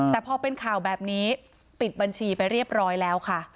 แต่พอเป็นข่าวแบบนี้ปิดบัญชีไปเรียบร้อยแล้วค่ะ